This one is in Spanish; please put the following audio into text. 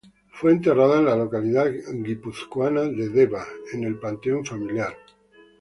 Fue enterrada en la localidad guipuzcoana de Deva en el panteón familiar.